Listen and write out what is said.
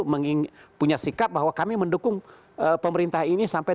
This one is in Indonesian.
menging punya sikap bahwa kami mendukung pemerintah ini sampai dua ribu sembilan belas